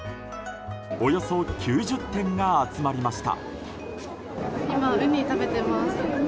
およそ９０店が集まりました。